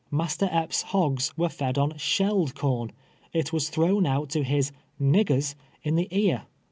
Master Epps' hogs were fed on shelled corn — it was thrown out to his "niggers" in the ear.